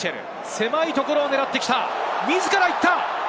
狭いところを狙ってきた、自ら行った！